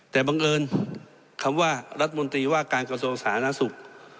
แต่บังเอิญคำว่ารัฐมนตรีว่าการกระทรวงสาธารณสุข